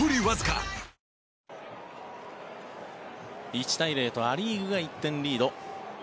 １対０とア・リーグが１点リード。